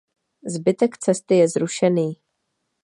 Zbytek cesty je zrušený.